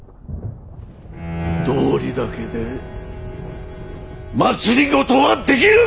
道理だけで政はできぬ！